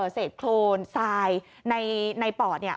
เศษโครนทรายในปอดเนี่ย